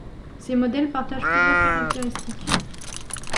Ces modèles partagent plusieurs caractéristiques.